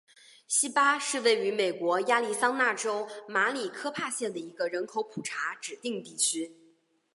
锡巴是位于美国亚利桑那州马里科帕县的一个人口普查指定地区。